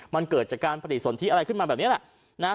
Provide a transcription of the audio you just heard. มันเกิดจากการปฏิสนทิอะไรขึ้นมาแบบนี้แหละนะฮะ